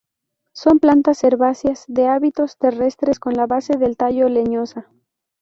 Son plantas herbáceas de hábitos terrestres con la base del tallo leñosa.